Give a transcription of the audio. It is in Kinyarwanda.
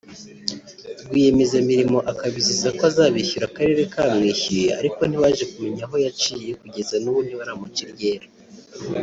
rwiyemezamirimo akabizeza ko azabishyura akarere kamwishyuye ariko ntibaje kumenya aho yaciye kugeza n’ubu ntibaramuca iryera